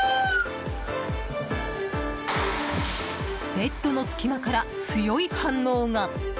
ベッドの隙間から強い反応が。